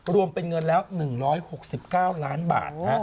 รวมเป็นเงินแล้ว๑๖๙ล้านบาท